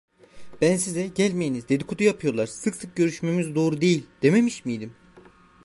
Ben size, gelmeyiniz, dedikodu yapıyorlar, sık sık görüşmemiz doğru değil dememiş miydim?